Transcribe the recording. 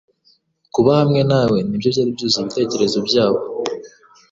Kuba hamwe nawe ni byo byari byuzuye ibitekerezo byabo.